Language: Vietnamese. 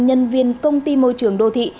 nhân viên công ty môi trường đô thị